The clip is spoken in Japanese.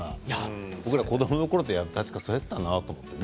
僕ら子どものころって確かにそうやったなと思って。